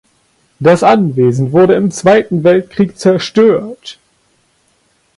Das Anwesen wurde im Zweiten Weltkrieg zerstört.